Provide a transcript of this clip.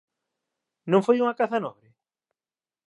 Non foi unha caza nobre?